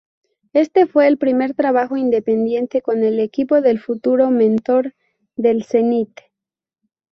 Este fue el primer trabajo independiente con el equipo del futuro mentor del Zenit.